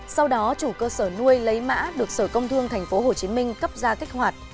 sau đó chủ cơ sở nuôi lấy mã được sở công thương tp hcm cấp ra kích hoạt